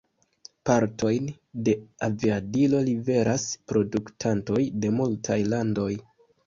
Partojn de aviadilo liveras produktantoj de multaj landoj.